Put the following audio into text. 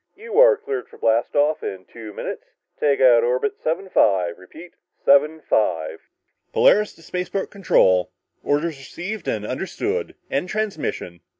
"You are cleared for blast off in two minutes. Take out orbit 75 ... repeat ... 75...." "Polaris to spaceport control. Orders received and understood. End transmission!"